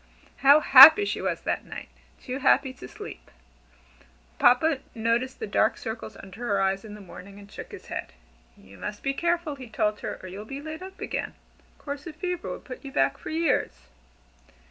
How happy she was that night too happy to sleep. Papa noticed the dark circles under her eyes in the morning, and shook his head. "You must be careful," he told her, "or you'll be laid up again. A course of fever would put you back for years."